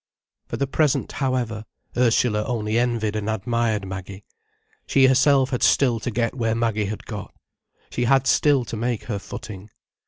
For the present, however, Ursula only envied and admired Maggie. She herself had still to get where Maggie had got. She had still to make her footing.